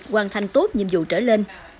hoàn thành tốt nhiệm vụ trở lên